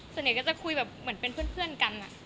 สักหน่อยก็จะคุยเหมือนเป็นเพื่อนกัน